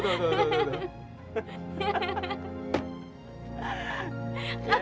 tuh tuh tuh